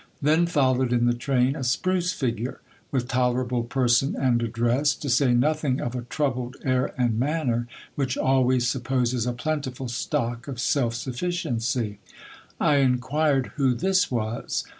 Then followed in the train a spruce figure, with tolerable person and address, to say nothing of a troubled air and manner, which always supposes a plentiful stock of self sufficiency. I inquired who this was.